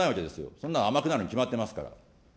そんな、甘くなるに決まってますから。